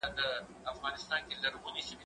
زه اوږده وخت ښوونځی ځم؟